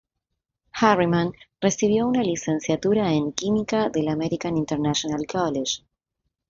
Harriman recibió una licenciatura en química del American International College.